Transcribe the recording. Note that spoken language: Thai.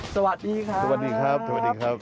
สวัสดีครับสวัสดีครับสวัสดีครับสวัสดีครับ